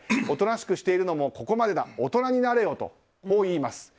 おとなしくしているのもここまでだ大人になれよと言います。